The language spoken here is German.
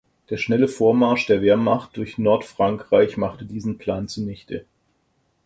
Der schnelle Vormarsch der Wehrmacht durch Nordfrankreich machte diesen Plan zunichte.